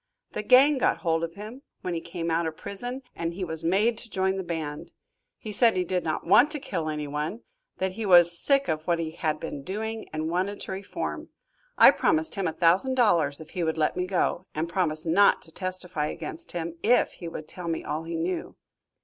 The gang got hold of him, when he came out of prison, and he was made to join the band. He said he did not want to kill anyone, that he was sick of what he had been doing, and wanted to reform. I promised him a thousand dollars if he would let me go, and promised not to testify against him, if he would tell me all he knew.